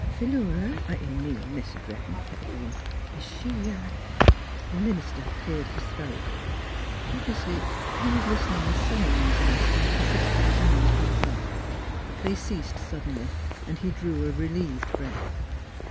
NEIGHBORS 15 "An' Philura? I mean Mis' Rev'ren' Petti bone? Is she " The minister cleared his throat; obviously he was listening with some uneasiness to the persist ent sounds from above. They ceased suddenly, and he drew a relieved breath.